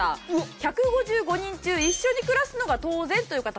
１５５人中一緒に暮らすのが当然という方が１０９人。